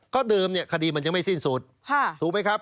ก็เดิมเนี่ยคดีมันยังไม่สิ้นสุดถูกไหมครับ